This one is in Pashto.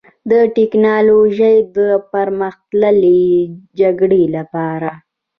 د ټیکنالوژۍ او پرمختللې جګړې لپاره